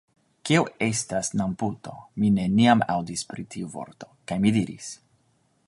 Kio estas namputo? Mi neniam aŭdis pri tiu vorto. kaj mi diris: